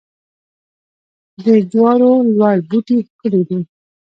د جوارو لوړ بوټي ښکلي دي.